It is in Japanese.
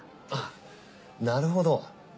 あぁなるほど。